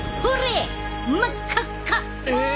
え！？